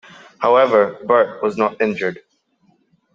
However, Birt was not injured.